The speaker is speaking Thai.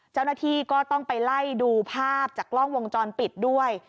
เจ้าหน้าที่ก็ต้องไปไล่ดูภาพจากกล้องวงจรปิดด้วย